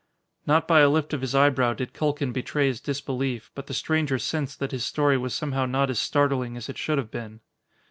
Not by a lift of his eyebrow did Culkin betray his disbelief, but the stranger sensed that his story was somehow not as startling as it should have been.